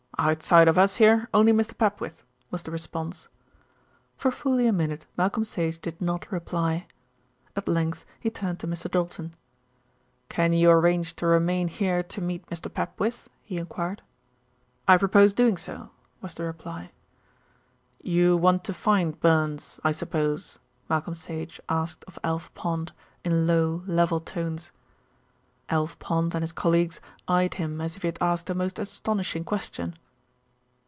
"Outside of us here, only Mr. Papwith," was the response. For fully a minute Malcolm Sage did not reply. At length he turned to Mr. Doulton. "Can you arrange to remain here to meet Mr. Papwith?" he enquired. "I propose doing so," was the reply. "You want to find Burns, I suppose?" Malcolm Sage asked of Alf Pond, in low, level tones. Alf Pond and his colleagues eyed him as if he had asked a most astonishing question.